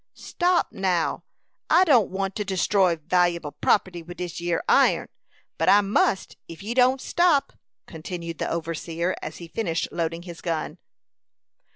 "Stop, now. I don't want to destroy val'able property with this yere iron, but I must if you don't stop," continued the overseer, as he finished loading his gun.